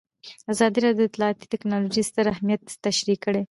ازادي راډیو د اطلاعاتی تکنالوژي ستر اهميت تشریح کړی.